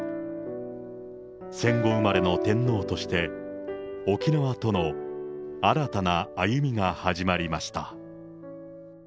戦後生まれの天皇として、沖縄との新たな歩みが始まりました。